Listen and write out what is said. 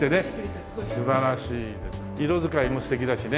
色使いも素敵だしね。